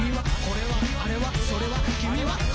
「これはあれはそれはきみは」